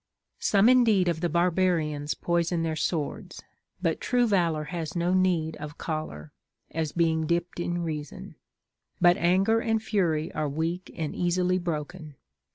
Some indeed of the barbarians poison their swords ; but true valor has no need of choler, as being dipped in reason ; but anger and fury are weak and easily broken.